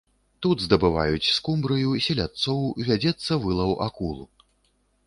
Тут здабываюць скумбрыю, селядцоў, вядзецца вылаў акул.